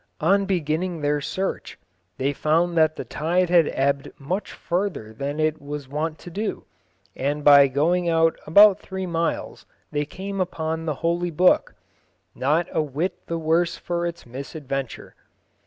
On beginning their search, they found that the tide had ebbed much further than it was wont to do, and going out about three miles they came upon the holy book, not a whit the worse for its misadventure.